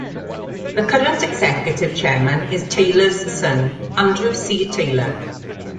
The current executive chairman is Taylor's son, Andrew C. Taylor.